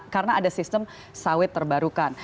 karena ada sistem sawit terbarukan